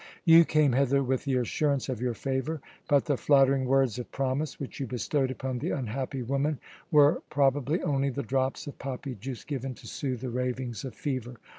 You came hither with the assurance of your favour; but the flattering words of promise which you bestowed upon the unhappy woman were probably only the drops of poppy juice given to soothe the ravings of fever.